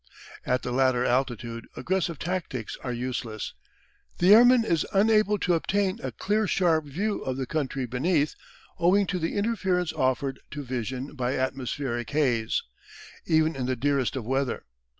At the latter altitude aggressive tactics are useless. The airman is unable to obtain a clear sharp view of the country beneath owing to the interference offered to vision by atmospheric haze, even in the dearest of weather.